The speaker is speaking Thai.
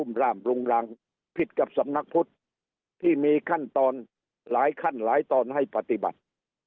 ร่ามรุงรังผิดกับสำนักพุทธที่มีขั้นตอนหลายขั้นหลายตอนให้ปฏิบัติ